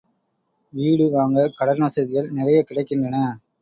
வீடு வாங்கக் கடன் வசதிகள் நிறையக் கிடைக்கின்றன.